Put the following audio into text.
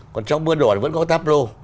còn trong mưa đỏ vẫn có táp lô